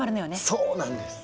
そうなんです！